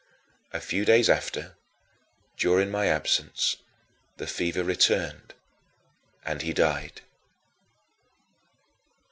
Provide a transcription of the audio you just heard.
A few days after, during my absence, the fever returned and he died.